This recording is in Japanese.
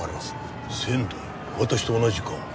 私と同じか。